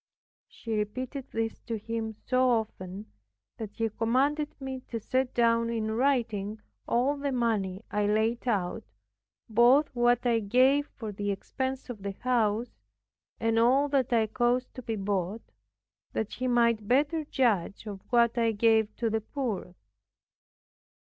She repeated this to him so often, that he commanded me to set down in writing all the money I laid out, both what I gave for the expense of the house, and all that I caused to be bought, that he might better judge of what I gave to the poor.